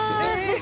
え！